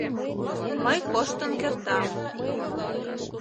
— Мый коштын кертам.